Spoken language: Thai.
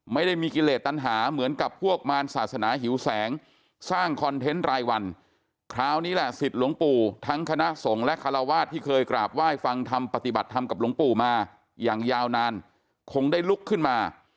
ไม่ได้มีกิเลสตัญหาเหมือนกับพวกมารศาสนาหิวแสงสร้างคอนเทนต์รายวันคราวนี้แหละสิทธิ์หลวงปู่ทั้งคณะสงฆ์และคาราวาสที่เคยกราบไหว้ฟังทำปฏิบัติธรรมกับหลวงปู่มาอย่างยาวนานคงได้ลุกขึ้นมา